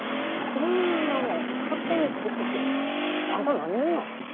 そんなもん勝手に作ってきてあんた何者や？